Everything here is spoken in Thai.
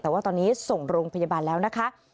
แต่ว่าตอนนี้ส่งโรงพยาบาลแล้วนะคะ